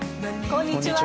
こんにちは。